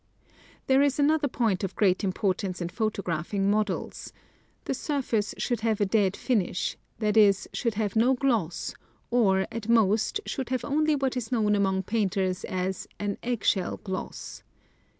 There is another point of great importance in photographing models : the surface should have a dead finish — that is, should have no gloss, or, at most, should have only what is known among painters as an egg shell gloss.